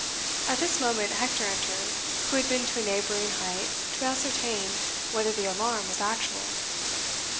At this moment Hector entered, who had been to a neighbouring height to ascertain whether the alarm was actual.